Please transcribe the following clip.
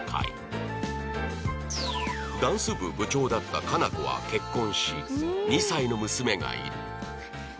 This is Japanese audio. ダンス部部長だった夏菜子は結婚し２歳の娘がいる